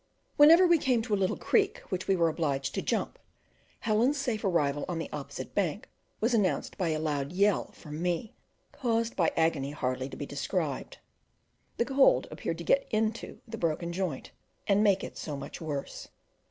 Whenever we came to a little creek which we were obliged to jump, Helen's safe arrival on the opposite bank was announced by a loud yell from me, caused by agony hardly to be described. The cold appeared to get into the broken joint, and make it so much worse.